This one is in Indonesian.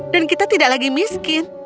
dan kita tidak lagi miskin